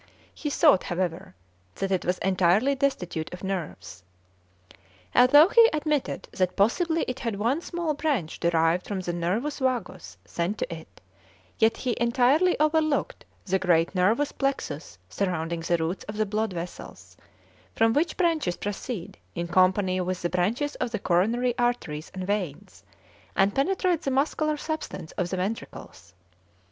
He thought, however, that it was entirely destitute of nerves. Although he admitted that possibly it had one small branch derived from the nervus vagus sent to it, yet he entirely overlooked the great nervous plexus surrounding the roots of the blood vessels, from which branches proceed in company with the branches of the coronary arteries and veins, and penetrate the muscular substance of the ventricles.